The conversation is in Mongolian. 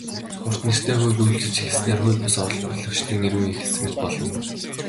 "Урт нэртэй хууль" үйлчилж эхэлснээр хууль бус олборлогчдын эрин үе эхэлсэн гэж болно.